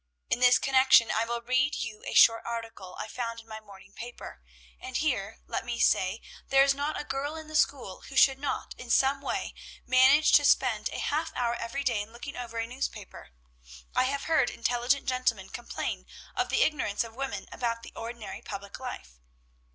"In this connection I will read you a short article I found in my morning paper; and here, let me say, there is not a girl in the school who should not in some way manage to spend a half hour every day in looking over a newspaper. "I have heard intelligent gentlemen complain of the ignorance of women about the ordinary public life.